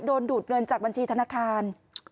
ดูดเงินจากบัญชีธนาคาร